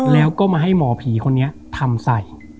แล้วก็มาให้หมอผีคนนี้ทำใส่